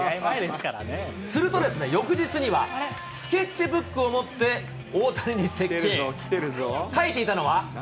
するとですね、翌日には、スケッチブックを持って、大谷に接近。